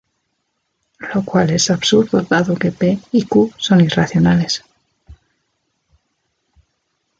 Lo cual es absurdo dado que p y q son irracionales.